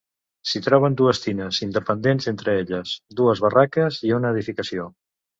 S'hi troben dues tines, independents entre elles, dues barraques i una edificació.